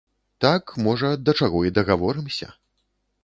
Так, можа, да чаго і дагаворымся.